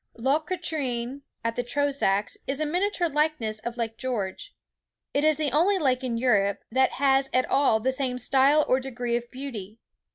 Loch Katrine, at the Trosachs, is a miniature likeness of Lake George. It is the only lake in Europe that has at all the same style or degree of beauty.